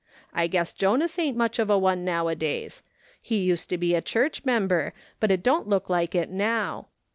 I guess Jonas ain't much of a one nowadays ; he used to he a church memher, but it don't look like it now.